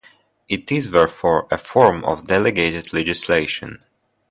It is therefore a form of delegated legislation.